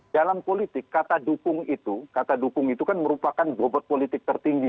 dalam politik kata dukung itu kata dukung itu kan merupakan bobot politik tertinggi